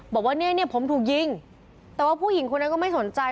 บอกว่าเนี่ยเนี่ยผมถูกยิงแต่ว่าผู้หญิงคนนั้นก็ไม่สนใจ